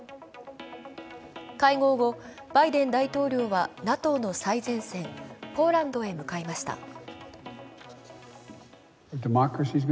会合後、バイデン大統領はＮＡＴＯの最前線、ポーランドへ向かいました。